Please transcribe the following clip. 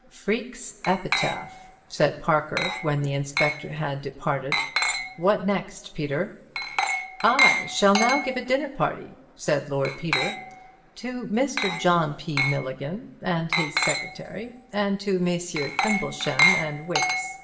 "Freke's epitaph," said Parker, when the Inspector had departed. "What next, Peter?" "I shall now give a dinner party," said Lord Peter, "to Mr. John P. Milligan and his secretary and to Messrs. Crimplesham and Wicks.